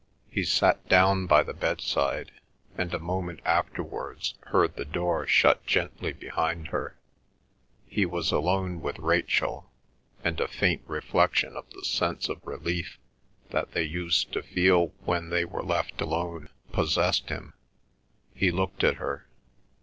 He sat down by the bedside, and a moment afterwards heard the door shut gently behind her. He was alone with Rachel, and a faint reflection of the sense of relief that they used to feel when they were left alone possessed him. He looked at her.